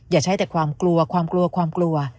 อย่าใช้แต่ความกลัวความกลัวความกลัว